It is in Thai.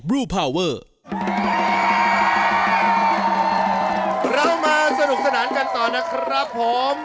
เรามาสนุกสนานกันต่อนะครับผม